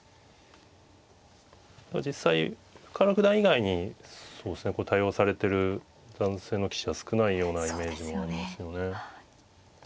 実際深浦九段以外に対応されてる男性の棋士は少ないようなイメージもありますよね。